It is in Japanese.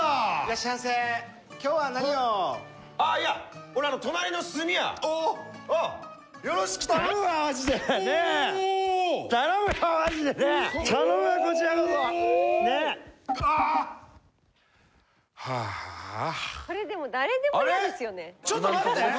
ちょっと待って！